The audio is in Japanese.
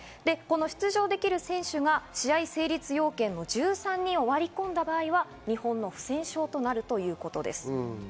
出場できる選手が試合成立要件の１３人割り込んだ場合は日本の不戦勝となるということです。